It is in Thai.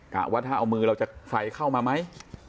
ว่าถ้าเอามือเราจะไฟเข้ามาไหม